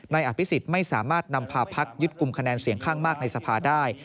อภิษฎไม่สามารถนำพาพักยึดกลุ่มคะแนนเสียงข้างมากในสภาได้